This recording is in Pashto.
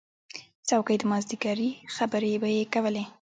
د څوکۍ د مازدیګري خبرې به یې کولې.